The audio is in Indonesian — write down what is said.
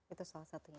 itu salah satunya